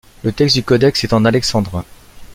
Le texte du codex est en alexandrin.